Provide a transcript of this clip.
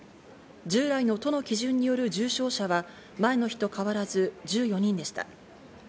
従来の都の基準による重症者は前の日と変わらず１４人でした。